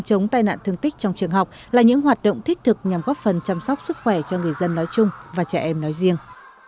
chống tai nạn thương tích trong trường học là những hoạt động thích thực nhằm góp phần chăm sóc sức khỏe cho người dân nói chung và trẻ em nói riêng